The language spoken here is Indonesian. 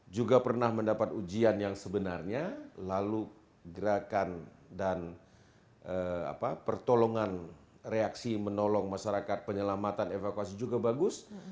juga pernah mendapat ujian yang sebenarnya lalu gerakan dan pertolongan reaksi menolong masyarakat penyelamatan evakuasi juga bagus